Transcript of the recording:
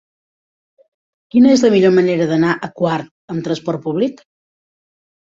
Quina és la millor manera d'anar a Quart amb trasport públic?